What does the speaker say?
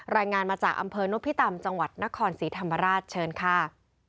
รายงานมาจากอำเภอนพิตำจังหวัดนครศรีธรรมราชเชิญค่ะ